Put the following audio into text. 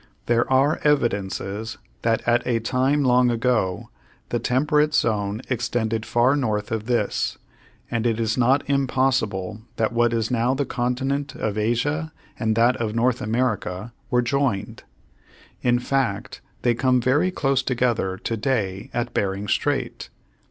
There are evidences that at a time long ago the temperate zone extended far north of this, and it is not impossible that what is now the continent of Asia and that of North America were joined. In fact, they come very close together to day at Bering Strait.